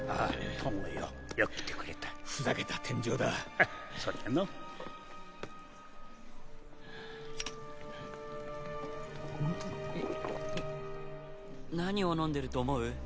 友よよく来てくれたふざけた天井だハッそうじゃのう何を飲んでると思う？